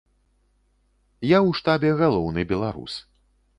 Я ў штабе галоўны беларус.